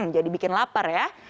jadi bikin lapar ya